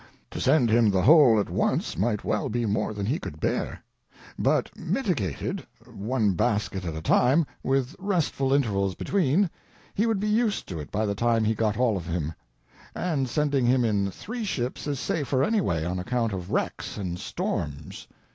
To send him the whole at once might well be more than he could bear. But mitigated—one basket at a time, with restful intervals between, he would be used to it by the time he got all of him. And sending him in three ships is safer anyway. On account of wrecks and storms."